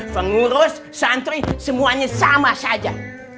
pengurus santri semuanya sama saja